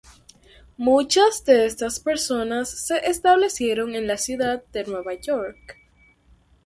Muchas de estas personas se establecieron en la ciudad de Nueva York.